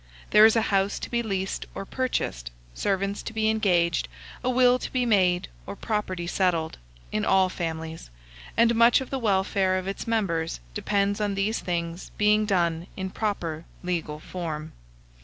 There is a house to be leased or purchased, servants to be engaged, a will to be made, or property settled, in all families; and much of the welfare of its members depends on these things being done in proper legal form.